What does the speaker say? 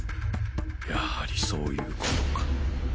やはりそういうことか。